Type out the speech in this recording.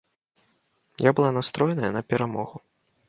Я была настроеная на перамогу.